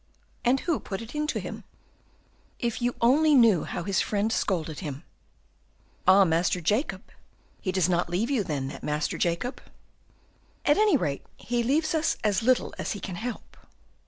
"And who put it into him?" "If you only knew how his friend scolded him!" "Ah, Master Jacob; he does not leave you, then, that Master Jacob?" "At any rate, he leaves us as little as he can help."